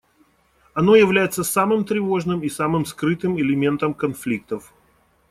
Оно является самым тревожным и самым скрытым элементом конфликтов.